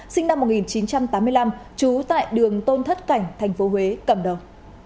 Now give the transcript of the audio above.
sinh năm một nghìn chín trăm tám mươi năm trú tại đường tôn thất cảnh tp huế cầm đầu